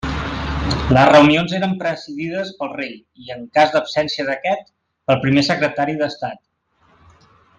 Les reunions eren presidides pel rei i, en cas d'absència d'aquest, pel primer secretari d'Estat.